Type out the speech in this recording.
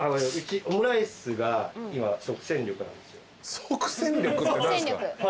即戦力って何すか？